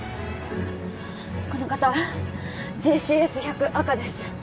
この方ＪＣＳ１００赤です